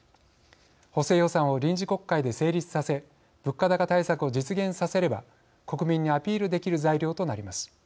補正予算を臨時国会で成立させ物価高対策を実現させれば国民にアピールできる材料となります。